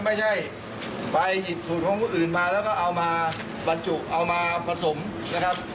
ไม่ใช่ไปหยิบสูตรของผู้อื่นมาแล้วก็เอามาบรรจุเอามาผสมนะครับ